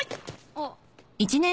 あっ。